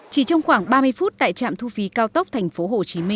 chỉ trong khoảng ba mươi phút tại trạm thu phí cao tốc tp hcm